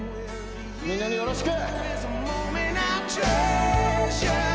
みんなによろしく！